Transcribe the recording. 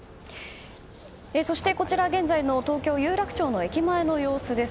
そして、現在の東京・有楽町の駅前の様子です。